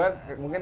oh kita punya tiga